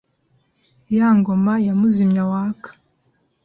Ya Ngoma ya Muzimyawaka